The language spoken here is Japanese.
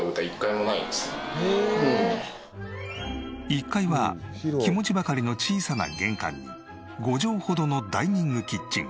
１階は気持ちばかりの小さな玄関に５畳ほどのダイニングキッチン。